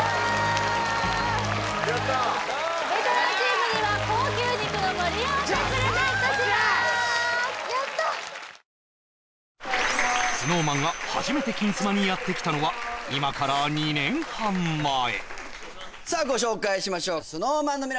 ベテランチームには高級肉の盛り合わせプレゼントしますＳｎｏｗＭａｎが初めて「金スマ」にやってきたのは今から２年半前さあご紹介しましょうＳｎｏｗＭａｎの皆さん